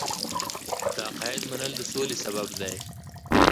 د عقایدو منل د سولې سبب دی.